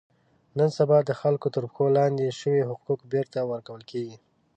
نن سبا د خلکو تر پښو لاندې شوي حقوق بېرته ور کول کېږي.